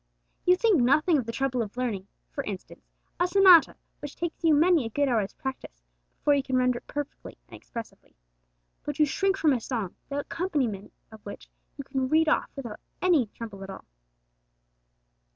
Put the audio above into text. You think nothing of the trouble of learning, for instance, a sonata, which takes you many a good hour's practice before you can render it perfectly and expressively. But you shrink from a song, the accompaniment of which you cannot read off without any trouble at all.